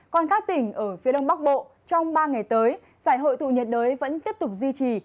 còn các tỉnh ở phía đông bắc bộ trong ba ngày tới giải hội tụ nhiệt đới vẫn tiếp tục duy trì